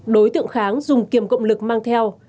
đối tượng kháng dùng kiềm cộng lực mang theo